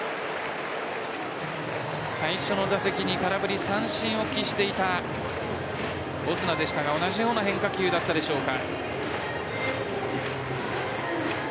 最初の打席に空振り三振を喫していたオスナでしたが、同じような変化球だったでしょうか。